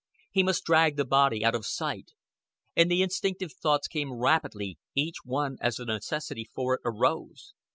He must drag the body out of sight. And the instinctive thoughts came rapidly, each one as the necessity for it arose.